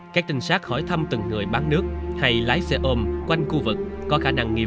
các tinh sát hỏi thăm từng người bán nước hay lái xe ôm quanh khu vực có khả năng nghi vấn